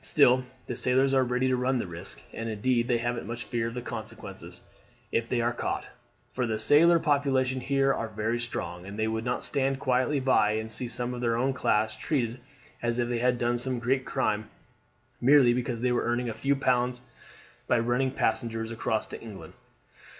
Still the sailors are ready to run the risk, and indeed they haven't much fear of the consequences if they are caught, for the sailor population here are very strong, and they would not stand quietly by and see some of their own class treated as if they had done some great crime merely because they were earning a few pounds by running passengers across to England.